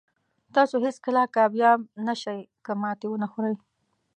تاسو هېڅکله کامیاب نه شئ که ماتې ونه خورئ.